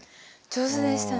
上手でしたね。